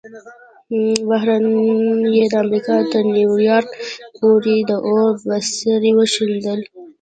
بحران یې د امریکا تر نیویارک پورې د اور بڅري وشیندل.